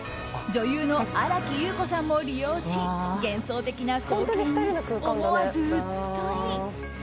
女優の新木優子さんも利用し幻想的な光景に思わずうっとり。